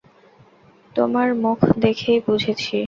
তোমার মুখ দেখেই বুঝেছি।